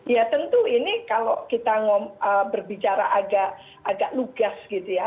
ya tentu ini kalau kita berbicara agak lugas gitu ya